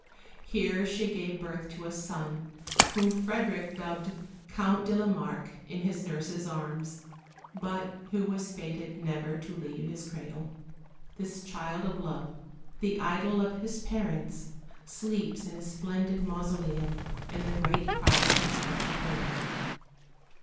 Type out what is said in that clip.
Here she gave birth to a son, whom Frederick dubbed Count de la Marke in his nurse's arms, but who was fated never to leave his cradle. This child of love, the idol of his parents, sleeps in a splendid mausoleum in the great Protestant Church of Berlin.